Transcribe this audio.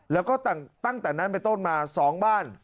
แล้วก็ตั้งแต่นั้นไปต้นมา๒บ้าน